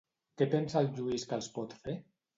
Què pensa el Lluís que els pot fer?